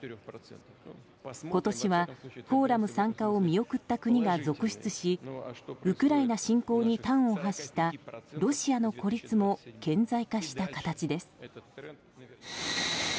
今年は、フォーラム参加を見送った国が続出しウクライナ侵攻に端を発したロシアの孤立も顕在化した形です。